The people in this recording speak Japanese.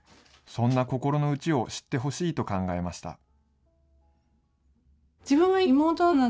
そんな心のうちを知ってほしいと考えました。